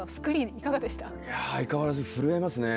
いや相変わらず震えますね。